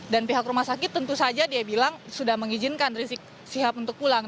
dan pihak rumah sakit tentu saja dia bilang sudah mengizinkan rizik sihab untuk pulang